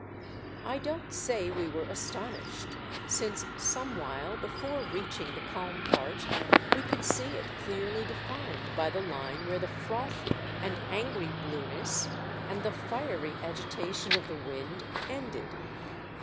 o I don't say we were astonished, since some while before reaching the calm part we could see it clearly defined by the line where the froth and angry blueness and the fiery agitation of the wind ended.